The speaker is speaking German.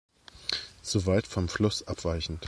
Soweit vom Fluss abweichend